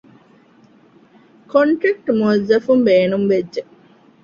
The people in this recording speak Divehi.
ކޮންޓްރެކްޓް މުއައްޒަފުން ބޭނުންވެއްޖެ